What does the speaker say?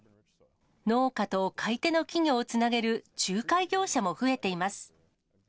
農家と買い手の企業をつなげる仲介業者も増えています。